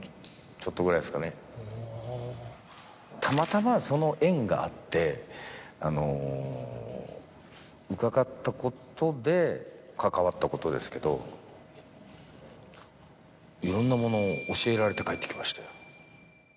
たまたまその縁があって伺ったことで関わったことですけどいろんなものを教えられて帰ってきましたよ。